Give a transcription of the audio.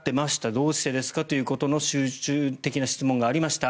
どうしてですかということの集中的な質問がありました。